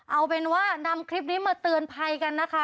เอาเป็นว่านำคลิปนี้มาเตือนภัยกันนะคะ